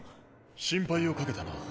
心配をかけたな。